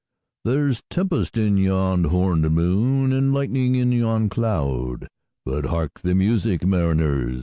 There's tempest in yon hornèd moon, And lightning in yon cloud:But hark the music, mariners!